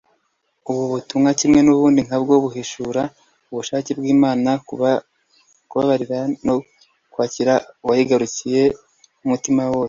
ubu butumwa kimwe n'ubundi nka bwo buhishura ubushake bw'imana bwo kubabarira no kwakira abayigarukiye n'umutima wabo wose